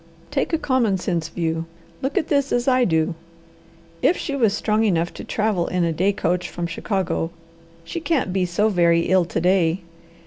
Take a common sense view. Look at this as I do. If she was strong enough to travel in a day coach from Chicago; she can't be so very ill to day.